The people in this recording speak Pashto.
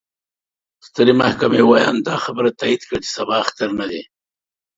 ستر محكمې وياند: دا خبره تايد کړه، چې سبا اختر نه دې.